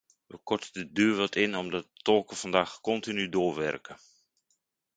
We korten de duur wat in omdat de tolken vandaag continu doorwerken.